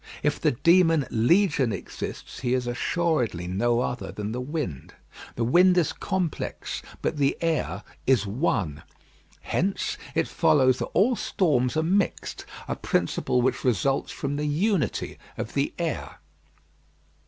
If the demon Legion exists, he is assuredly no other than the wind. The wind is complex, but the air is one. Hence it follows that all storms are mixed a principle which results from the unity of the air.